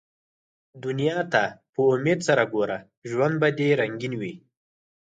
دنیا ته په امېد سره ګوره ، ژوند به دي رنګین وي